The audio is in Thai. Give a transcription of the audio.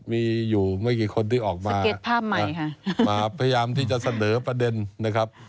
มีอยู่ไม่กี่คนที่ออกมามาพยายามที่จะเสนอประเด็นนะครับ